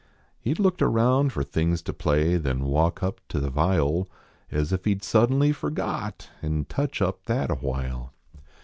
He d look around fer things to play, Then walk up to the viol As if he d suddenly forgot, An touch up that awhile.